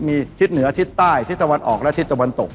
มีทิศเหนือทิศใต้ทิศตะวันออกและทิศตะวันตก